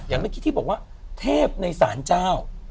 อย่างเมื่อกี้ที่บอกว่าเทพในสารเจ้า